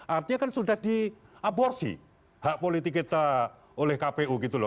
artinya kan sudah diaborsi hak politik kita oleh kpu gitu loh